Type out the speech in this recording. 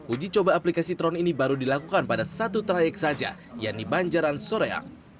uji coba aplikasi tron ini baru dilakukan pada satu trayek saja yaitu banjaran soreang